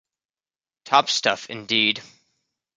Top stuff indeed.